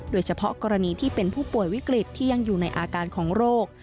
โดยเฉพาะกรณีที่เป็นผู้ป่วยวิกฤตที่ยังอยู่ในอาการของโรค